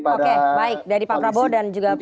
oke baik dari pak prabowo dan juga ganja